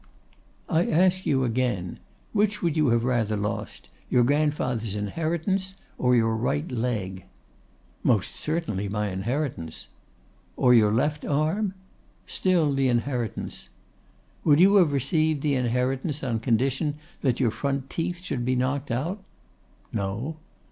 'I ask you again, which would you have rather lost, your grandfather's inheritance or your right leg?' 'Most certainly my inheritance,' 'Or your left arm?' 'Still the inheritance.' 'Would you have received the inheritance on condition that your front teeth should be knocked out?' 'No.